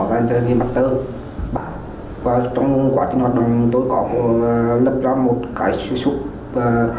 và trong quá trình hoạt động tôi có lập ra một cái sửa sụp